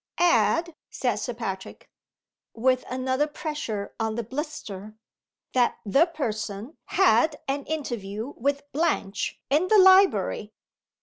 "Add," said Sir Patrick, with another pressure on the blister, "that The Person had an interview with Blanche in the library."